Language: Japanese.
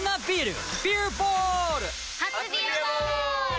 初「ビアボール」！